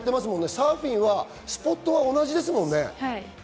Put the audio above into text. サーフィンはスポットが同じですもんね。